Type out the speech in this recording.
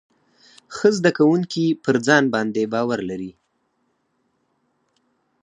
ښه زده کوونکي پر ځان باندې باور لري.